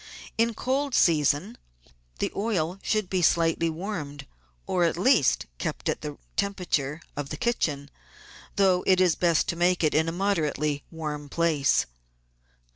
In the cold season the oil should be slightly E 50 GUIDE TO MODERN COOKERY warmed, or, at least, kept at the temperature of the kitchen, though it is best to make it in a moderately warm place.